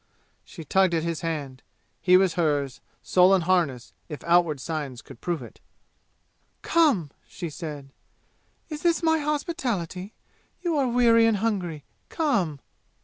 She tugged at his hand. He was hers, soul and harness, if outward signs could prove it. "Come!" she said. "Is this my hospitality? You are weary and hungry. Come!"